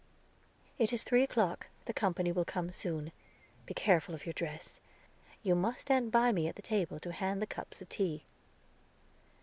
"It is three o'clock; the company will come soon. Be careful of your dress. You must stand by me at the table to hand the cups of tea."